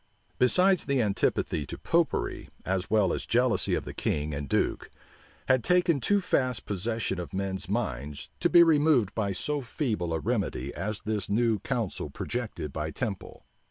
Besides, the antipathy to Popery, as well as jealousy of the king and duke, had taken too fast possession of men's minds, to be removed by so feeble a remedy as this new council projected by Temple.